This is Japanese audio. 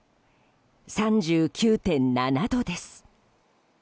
３９．７度です。